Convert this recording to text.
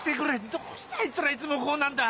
どうしてあいつらはいつもこうなんだ！